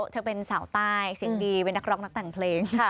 เธอเป็นสาวใต้เสียงดีเป็นนักร้องนักแต่งเพลง